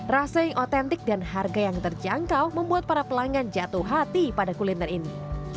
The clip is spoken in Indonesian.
rasa yang otentik dan harga yang terjangkau membuat para pelanggan jatuh hati pada kuliner ini